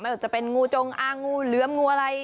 ว่าจะเป็นงูจงอางงูเหลือมงูอะไร